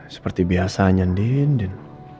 seperti biasanya andin